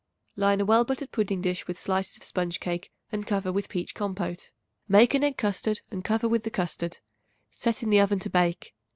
Line a well buttered pudding dish with slices of sponge cake and cover with peach compote. Make an egg custard and cover with the custard; set in the oven to bake.